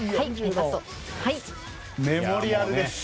メモリアルです。